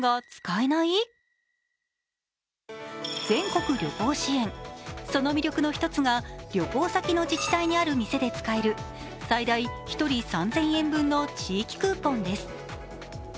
全国旅行支援、その魅力の一つが旅行先の自治体にある店で使える最大１人３０００円分の地域クーポンです。